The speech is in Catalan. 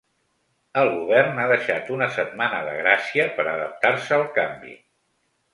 El govern ha deixat una setmana de gràcia per a adaptar-se al canvi.